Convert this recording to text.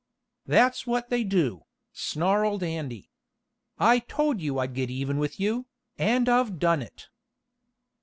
"That's what they do," snarled Andy. "I told you I'd get even with you, and I've done it."